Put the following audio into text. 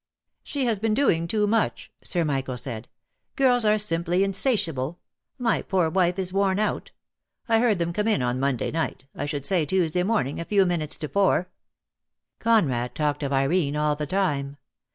"She has been doing too much," Sir Michael said. "Girls are simply insatiable. My poor wife is worn out. I heard them come in on Monday night, I should say Tuesday morning, a few minutes to four." Conrad talked of Irene all the time.